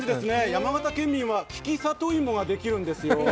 山形県民は利き里芋ができるんですよ。